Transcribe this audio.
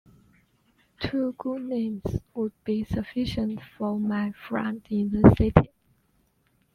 Two good names would be sufficient for my friend in the city.